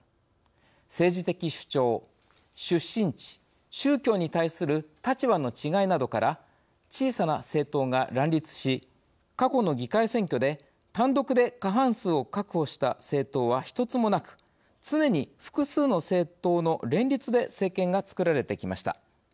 政治的主張出身地宗教に対する立場の違いなどから小さな政党が乱立し過去の議会選挙で単独で過半数を確保した政党は１つもなく常に複数の政党の連立で政権がつくられてきました。